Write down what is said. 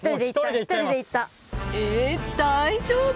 え大丈夫？